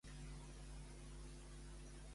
Quina tradició es té a Fuerteventura?